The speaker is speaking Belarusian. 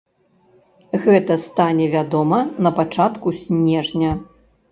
Гэта стане вядома на пачатку снежня.